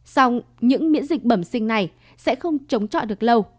xong những miễn dịch bẩm sinh này sẽ không chống trọi được lâu